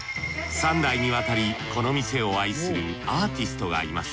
３代にわたりこの店を愛するアーティストがいます。